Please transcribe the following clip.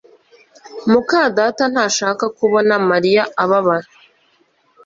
muka data ntashaka kubona Mariya ababara